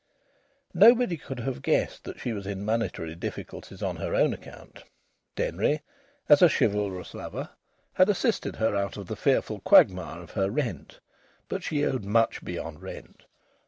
Nobody could have guessed that she was in monetary difficulties on her own account. Denry, as a chivalrous lover, had assisted her out of the fearful quagmire of her rent; but she owed much beyond rent.